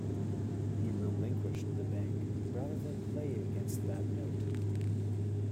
He relinquished the bank rather than play against that note.